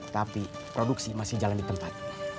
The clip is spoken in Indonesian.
tapi produksi masih jalan di tempat